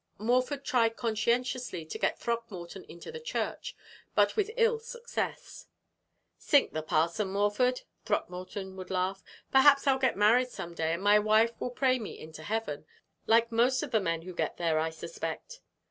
Morford tried conscientiously to get Throckmorton into the church, but with ill success. "Sink the parson, Morford," Throckmorton would laugh. "Perhaps I'll get married some day, and my wife will pray me into heaven, like most of the men who get there, I suspect."